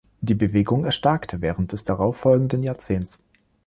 Die Bewegung erstarkte während des darauffolgenden Jahrzehnts.